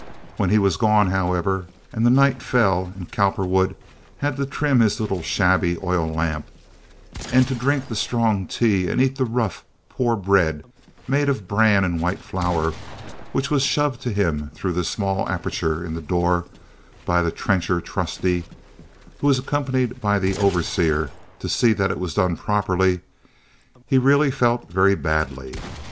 When he was gone, however, and the night fell and Cowperwood had to trim his little, shabby oil lamp and to drink the strong tea and eat the rough, poor bread made of bran and white flour, which was shoved to him through the small aperture in the door by the trencher trusty, who was accompanied by the overseer to see that it was done properly, he really felt very badly.